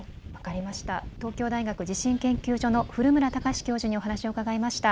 東京大学地震研究所の古村孝志教授にお話を伺いました。